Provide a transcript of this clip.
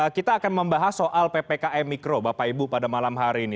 kita akan membahas soal ppkm mikro bapak ibu pada malam hari ini